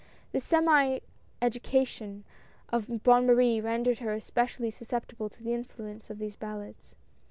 The semi education of Bonne Marie rendered her especially susceptible to the influence of these ballads.